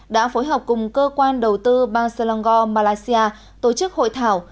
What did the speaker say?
đã phối hợp cùng cơ quan đầu tư bang selangor malaysia tổ chức hội thảo